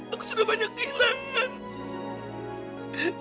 aku sudah banyak kehilangan